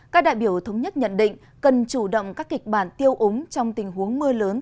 các đại biểu thống nhất nhận định cần chủ động các kịch bản tiêu úng trong tình huống mưa lớn